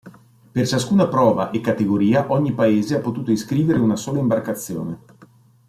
Per ciascuna prova e categoria ogni Paese ha potuto iscrivere una sola imbarcazione.